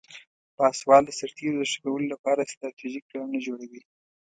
پاسوال د سرتیرو د ښه کولو لپاره استراتیژیک پلانونه جوړوي.